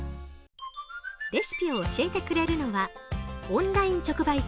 レシピを教えてくれるのは、オンライン直売所